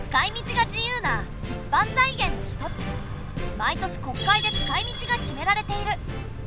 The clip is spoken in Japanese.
毎年国会で使いみちが決められている。